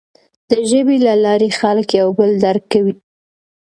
د ژبې له لارې خلک یو بل درک کوي.